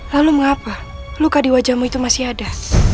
lalu mengapa luka di wajahmu itu masih ada